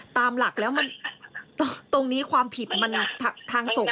ตามหลักแล้วมันตรงนี้ความผิดมันทางส่ง